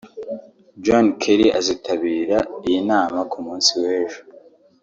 John Kerry azitabira iyi nama ku munsi w’ejo